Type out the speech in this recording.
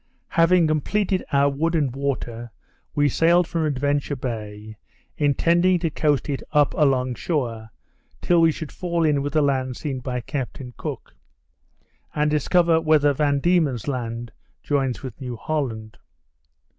Having completed our wood and water, we sailed from Adventure Bay, intending to coast it up along shore, till we should fall in with the land seen by Captain Cook, and discover whether Van Diemen's Land joins with New Holland.